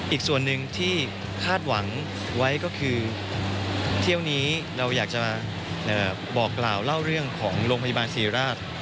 อีกส่วนหนึ่งที่คาดหวังไว้ก็คือเที่ยวนี้เราอยากจะมาบอกกล่าวเล่าเรื่องของโรงพยาบาลศรีราช